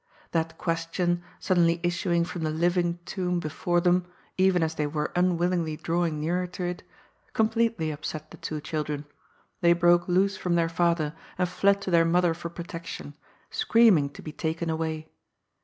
That question, suddenly issuing from the living tomb before them, even as they were unwillingly drawing nearer to it, completely upset the two children. They broke loose from their father, and fled to their mother for protection, screaming to be taken away.